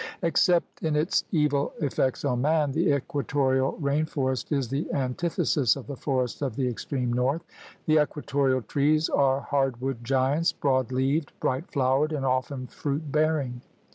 Except in its evil effects on man, the equatorial rain forest is the antithesis of the forests of the extreme north. The equatorial trees are hardwood giants, broad leaved, bright flowered, and often fruit bearing.